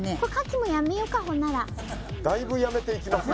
ほんならだいぶやめていきますね